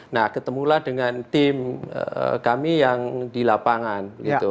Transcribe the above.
nah ketemulah dengan tim kami yang di lapangan